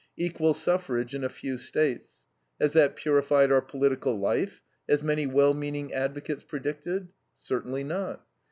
Equal suffrage in a few States. Has that purified our political life, as many well meaning advocates predicted? Certainly not.